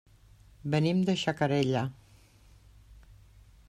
Venim de Xacarella.